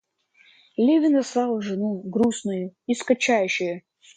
Левин застал жену грустною и скучающею.